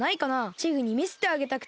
チグにみせてあげたくて。